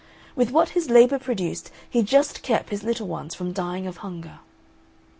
With what his labour produced he just kept his little ones from dying of hunger.